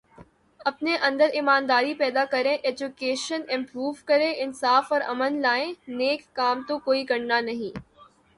اپنے اندر ایمانداری پیدا کریں، ایجوکیشن امپروو کریں، انصاف اور امن لائیں، نیک کام تو کوئی کرنا نہیں